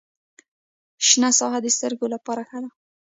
شنه ساحه د سترګو لپاره ښه ده